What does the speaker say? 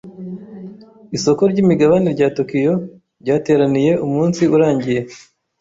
Isoko ryimigabane rya Tokiyo ryateraniye umunsi urangiye.